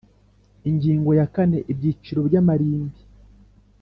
Ingingo ya kane Ibyiciro by amarimbi